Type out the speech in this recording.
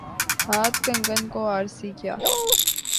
ہاتھ کنگن کو آرسی کیا؟